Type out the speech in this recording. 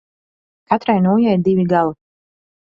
Katrai nūjai divi gali.